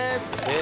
え